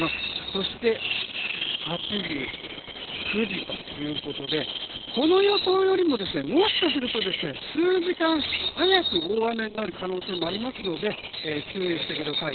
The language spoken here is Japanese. そして８時、９時ということでこの予想よりも、もしかすると数時間早く大雨になる可能性もありますので注意してください。